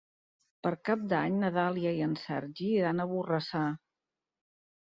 Per Cap d'Any na Dàlia i en Sergi iran a Borrassà.